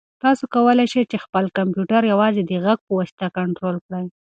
تاسو کولای شئ چې خپل کمپیوټر یوازې د غږ په واسطه کنټرول کړئ.